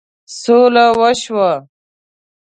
سوله وشوه.